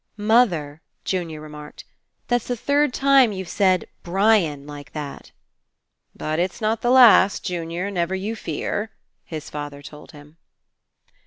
"Mother," Junior remarked, "that's the third time you've said 'Brian' like that." "But not the last. Junior, never you fear," his father told him.